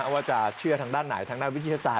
ว่าจะเชื่อทางด้านไหนทางด้านวิทยาศาส